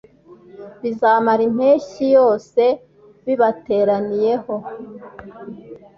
bizamara impeshyi yose bibateraniyeho